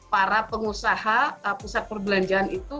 para pengusaha pusat perbelanjaan itu